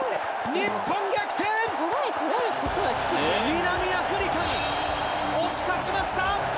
南アフリカに押し勝ちました！